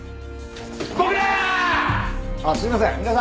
あっすいません。